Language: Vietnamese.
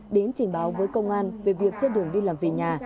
đến trình báo với công an về việc trên đường đi làm về nhà